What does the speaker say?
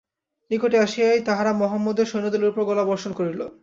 নিকটে আসিয়াই তাহারা মহম্মদের সৈন্যদলের উপরে গোলা বর্ষণ করিল।